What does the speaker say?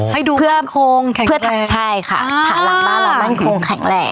อ๋อให้ดูมั่นโค้งแข็งแรงเพื่อทักใช่ค่ะอ่าฐานหลังบ้านเรามั่นโค้งแข็งแรง